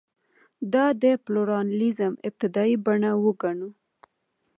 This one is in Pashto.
دا د پلورالېزم ابتدايي بڼه وګڼو.